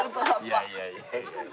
いやいやいやいや。